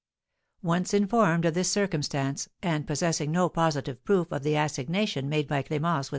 Once informed of this circumstance, and possessing no positive proof of the assignation made by Clémence with M.